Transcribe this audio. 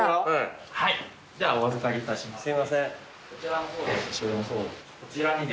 はい。